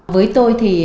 với tôi thì